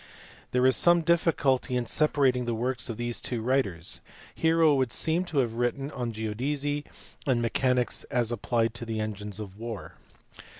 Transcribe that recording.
There is some difficulty in separating the works of these two writers. Hero would seem to have written on geodesy and mechanics as applied to engines of war.